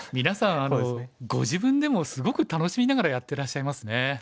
皆さんご自分でもすごく楽しみながらやってらっしゃいますね。